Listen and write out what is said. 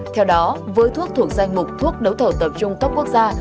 theo đó với thuốc thuộc sang mục thuốc đấu thẩu tập trung cấp quốc gia